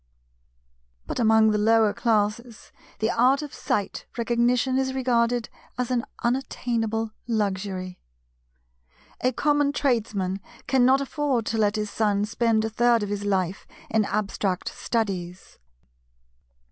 But among the lower classes the art of Sight Recognition is regarded as an unattainable luxury. A common Tradesman cannot afford to let his son spend a third of his life in abstract studies.